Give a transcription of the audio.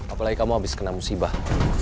apalagi kamu habis kena musibah